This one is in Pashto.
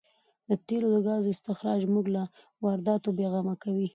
د تېلو او ګازو استخراج موږ له وارداتو بې غمه کوي.